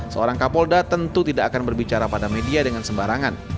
seorang kapolda tentu tidak akan berbicara pada media dengan sembarangan